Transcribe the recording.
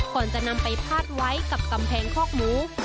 ก่อนจะนำไปพาดไว้กับกำแพงคอกหมู